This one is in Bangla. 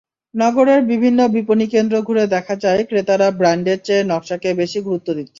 নগরের বিভিন্ন বিপণিকেন্দ্র ঘুরে দেখা যায়, ক্রেতারা ব্র্যান্ডের চেয়ে নকশাকে বেশি গুরুত্ব দিচ্ছেন।